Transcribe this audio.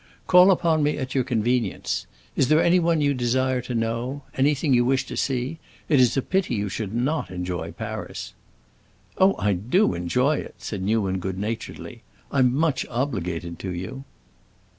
Call upon me at your convenience. Is there anyone you desire to know—anything you wish to see? It is a pity you should not enjoy Paris." "Oh, I do enjoy it!" said Newman, good naturedly. "I'm much obliged to you."